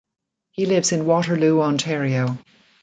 He lives in Waterloo, Ontario.